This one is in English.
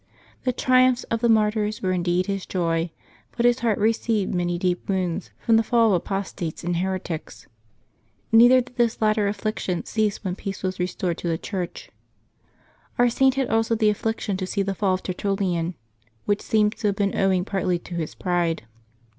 The triumphs of the martyrs were indeed his joy, but his heart received many deep wounds from the fall of apostates and heretics. Neither did this latter affliction cease when peace was re stored to the Church. Our Saint had also the affliction to see the fall of Tertullian, which seems to have been owing partly to his pride.